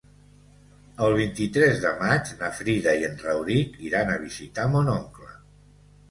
El vint-i-tres de maig na Frida i en Rauric iran a visitar mon oncle.